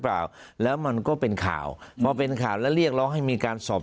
เปล่าแล้วมันก็เป็นข่าวพอเป็นข่าวแล้วเรียกร้องให้มีการสอบ